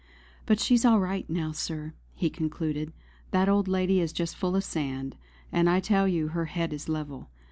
"But she's all right now, Sir," he concluded. "That old lady is just full of sand; and I tell you her head is level.